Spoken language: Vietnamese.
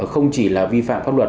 không chỉ là vi phạm pháp luật